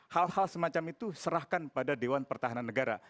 hal hal semacam itu serahkan pada dewan pertahanan negara